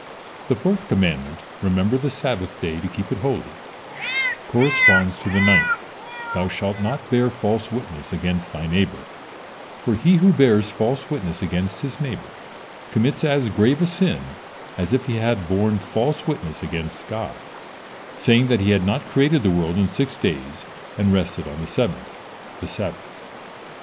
The fourth commandment: "Remember the Sabbath day, to keep it holy," corresponds to the ninth: "Thou shalt not bear false witness against thy neighbor," for he who bears false witness against his neighbor commits as grave a sin as if he had borne false witness against God, saying that He had not created the world in six days and rested on the seventh, the Sabbath.